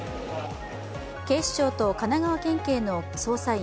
警視庁と神奈川県警の捜査員